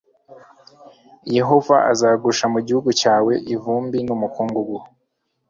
yehova azagusha mu gihugu cyawe ivumbi n'umukungugu